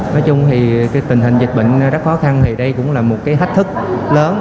nói chung thì cái tình hình dịch bệnh rất khó khăn thì đây cũng là một cái thách thức lớn